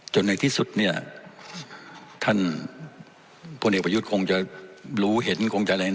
จนในที่สุดเนี่ยท่านพ่อเด็กประยุทธ์คงจะรู้เห็นคงจะอะไรเห็น